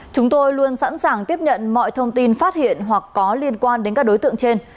chúng tôi luôn sẵn sàng tiếp nhận mọi thông tin phát hiện hoặc có liên quan đến các đối tượng trên